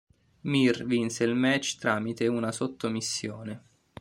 Mir vinse il match tramite una sottomissione.